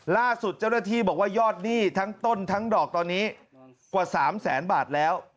ล่าสุดเจ้าหน้าที่บอกว่ายอดหนี้ทั้งต้นทั้งดอกตอนนี้กว่า๓แสนบาทแล้ว